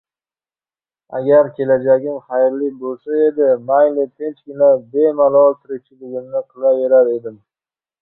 Agar kelajagim xayrli bo‘lsa edi, mayli tinchgina, bemalol tirikchiligimni qilaverar edim.